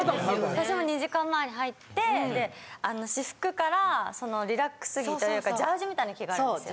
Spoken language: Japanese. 私も２時間前に入ってあの私服からそのリラックス着というかジャージみたいに着替えるんですよ。